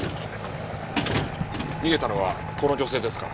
逃げたのはこの女性ですか？